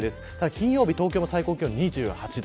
金曜日、東京も最高気温２８度。